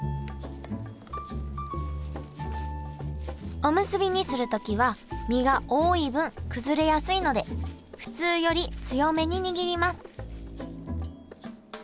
おむすびにする時は身が多い分崩れやすいので普通より強めに握ります